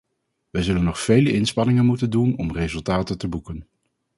Wij zullen nog vele inspanningen moeten doen om resultaten te boeken.